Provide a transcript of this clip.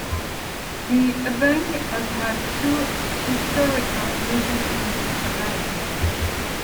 The abeng has had two historical uses in Jamaica.